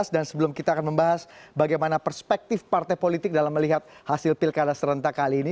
dan sebelum kita akan membahas bagaimana perspektif partai politik dalam melihat hasil pilkada serentak kali ini